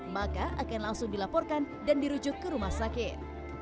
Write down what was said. maka akan langsung dilaporkan dan dirujuk ke rumah sakit